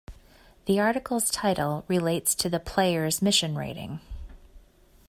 The article's title relates to the player's mission rating.